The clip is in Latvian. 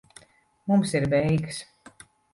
Mums ir beigas.